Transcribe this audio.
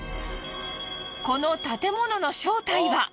この建物の正体は。